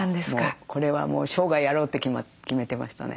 これはもう生涯やろうって決めてましたね。